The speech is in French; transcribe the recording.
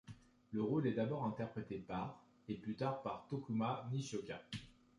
Le rôle est d'abord interprété par et plus tard par Tokuma Nishioka.